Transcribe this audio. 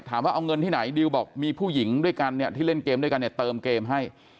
ถามว่าเอาเงินที่ไหนดิวบอกมีผู้หญิงด้วยกันเนี่ยที่เล่นเกมด้วยกันเนี่ยเติมเกมให้